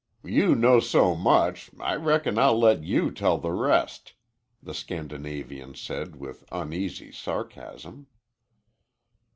"You know so much I reckon I'll let you tell the rest," the Scandinavian said with uneasy sarcasm.